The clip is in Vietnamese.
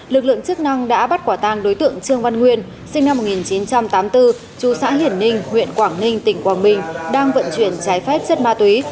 lực lượng chức năng đã bắt quả tang đối tượng trương văn nguyên sinh năm một nghìn chín trăm tám mươi bốn chú xã hiển ninh huyện quảng ninh tỉnh quảng bình đang vận chuyển trái phép chất ma túy